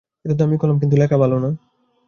এত দামী কলম, কিন্তু লেখা ভালো না।